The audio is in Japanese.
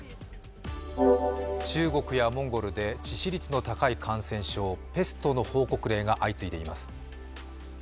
中国やモンゴルで致死率の高い感染症、ペストの報告例が相次いでいます。